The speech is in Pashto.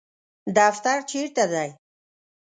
دفتر چیرته دی؟